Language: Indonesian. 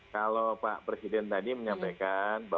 kalau pak presiden tadi menyampaikan